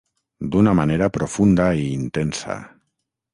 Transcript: D’una manera profunda i intensa.